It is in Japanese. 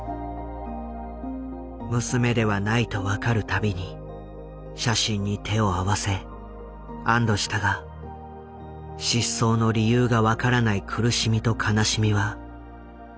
娘ではないと分かる度に写真に手を合わせ安どしたが失踪の理由が分からない苦しみと悲しみは消えようがなかった。